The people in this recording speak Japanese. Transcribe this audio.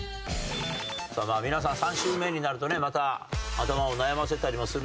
皆さん３周目になるとねまた頭を悩ませたりもするでしょう。